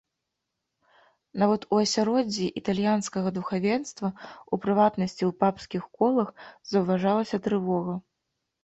Нават у асяроддзі італьянскага духавенства, у прыватнасці ў папскіх колах, заўважалася трывога.